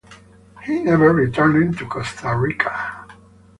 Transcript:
He never returned to Costa Rica.